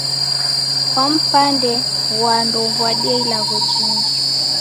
Kwa mpande ghwa ndouw'adie ilagho jingi.